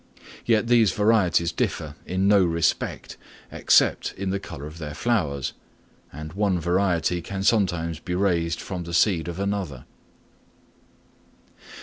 Yet these varieties differ in no respect, except in the colour of their flowers; and one variety can sometimes be raised from the seed of another.